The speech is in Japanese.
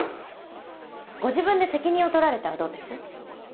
ご自分で責任を取られてはどうです？